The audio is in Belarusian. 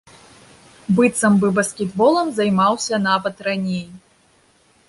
Быццам бы баскетболам займаўся нават раней.